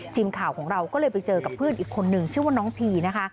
ทีมข่าวของเราก็เลยไปเจอกับเพื่อนอีกคนนึงชื่อว่าน้องพีนะคะ